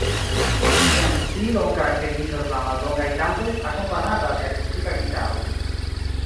Ŝian stilon karakterizas la mallongaj kantoj, akompanata de akustika gitaro.